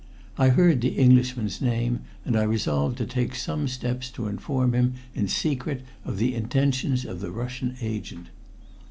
I heard the Englishman's name, and I resolved to take some steps to inform him in secret of the intentions of the Russian agent.